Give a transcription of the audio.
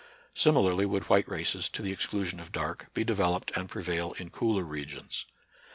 Similarly would white races, to the exclusion of dark, be developed and prevail in cooler regions.